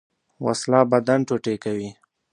وسله بدن ټوټې کوي